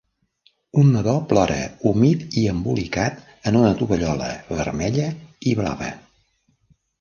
Un nadó plora humit i embolicat en una tovallola vermella i blava.